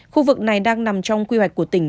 khu vực này đang nằm trong quy hoạch của tỉnh